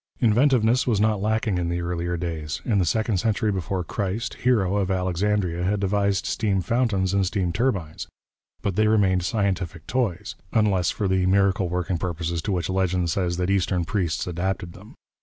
Inventiveness was not lacking in the earlier days. In the second century before Christ, Hero of Alexandria had devised steam fountains and steam turbines, but they remained scientific toys, unless for the miracle working purposes to which legend says that eastern priests adapted them.